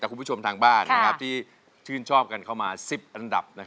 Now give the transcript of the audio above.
แต่คุณผู้ชมทางบ้านนะครับที่ชื่นชอบกันเข้ามา๑๐อันดับนะครับ